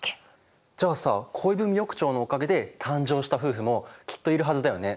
じゃあさ恋文横丁のおかげで誕生した夫婦もきっといるはずだよね。